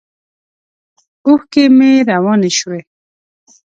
اوښکې مې روانې شوې.